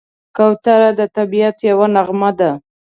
کوتره د طبیعت یوه نغمه ده.